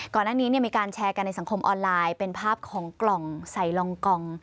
ก่อนหน้านี้มีการแชร์กันในสังคมออนไลน์เป็นภาพของกล่องใส่รองกล่อง